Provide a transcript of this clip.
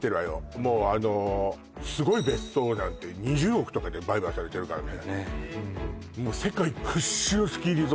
もうあのすごい別荘なんて２０億とかで売買されてるからね